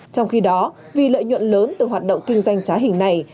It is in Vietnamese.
trong khi đó vì lợi nhuận lớn từ hoạt động kinh doanh trá hình này